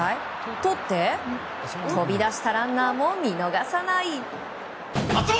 とって、飛び出したランナーも見逃さない。